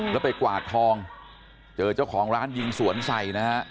แล้วไปกวาดทองเจอเจ้าของร้านยิงสวนใส่นะฮะ